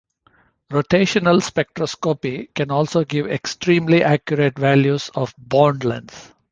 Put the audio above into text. Rotational spectroscopy can also give extremely accurate values of bond lengths.